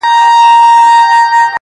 دومــره پۀ زړګي کښې مې تاب پاتې دی